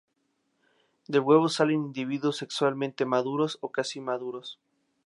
Del huevo salen individuos sexualmente maduros o casi maduros.